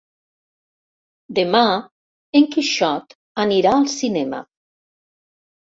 Demà en Quixot anirà al cinema.